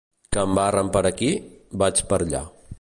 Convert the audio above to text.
Que em barren per aquí, vaig per allà.